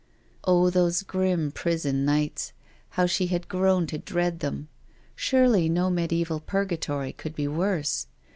Oh, those grim prison nights I How she had grown to dread them! Surely no mediaeval purgatory could be worse.